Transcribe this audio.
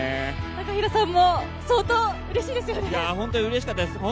高平さんも相当うれしいですよね。